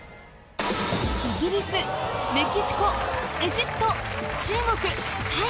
イギリスメキシコエジプト中国タイ